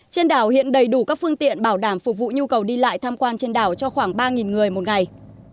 trên đảo hiện đầy đủ các phương tiện bảo đảm phục vụ nhu cầu đi lại tham quan trên đảo cho khoảng ba người một ngày